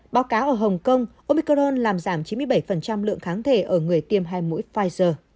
báo cáo ở hồng kông oicron làm giảm chín mươi bảy lượng kháng thể ở người tiêm hai mũi pfizer